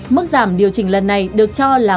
mức giảm điều chỉnh lần này được cho là